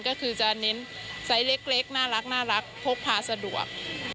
ก็คือจะเน้นไซส์เล็กน่ารักพกพาสะดวก